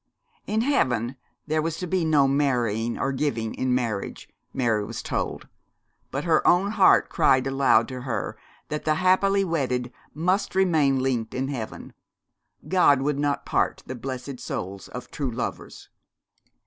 In heaven there was to be no marrying or giving in marriage, Mary was told; but her own heart cried aloud to her that the happily wedded must remain linked in heaven. God would not part the blessed souls of true lovers.